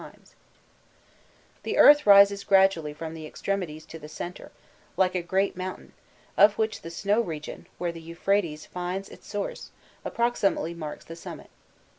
jpg THE WORLD AS CONCEIVED BY THE CHALDAEANS] The earth rises gradually from the extremities to the centre, like a great mountain, of which the snow region, where the Euphrates finds its source, approximately marks the summit.